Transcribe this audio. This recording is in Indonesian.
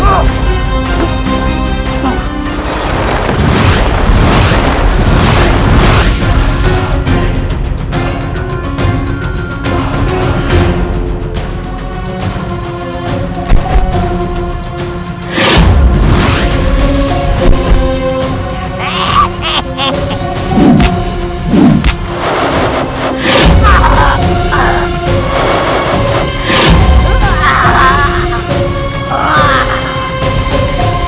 hingga tidak pernah memikirkan